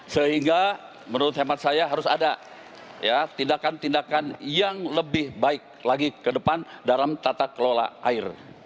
sehingga menurut hemat saya harus ada tindakan tindakan yang lebih baik lagi ke depan dalam tata kelola air